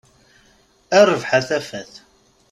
A rrbeḥ a tafat!